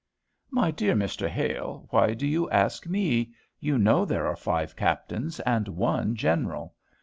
"My dear Mr. Hale, why do you ask me? You know there are five captains and one general.